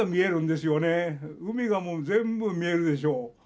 海がもう全部見えるでしょう。